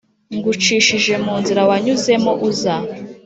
ngucishije mu nzira wanyuzemo uza.’»